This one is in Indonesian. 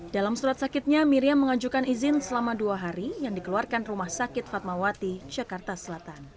dalam surat sakitnya miriam mengajukan izin selama dua hari yang dikeluarkan rumah sakit fatmawati jakarta selatan